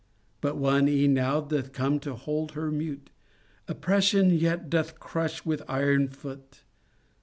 But one e'en now doth come to hold her mute: Oppression yet doth crush with iron foot.